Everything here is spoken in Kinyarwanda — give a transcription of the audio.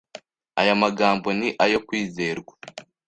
Aya magambo ni ayo kwizerwa